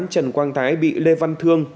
trần quang thái bị lê văn thương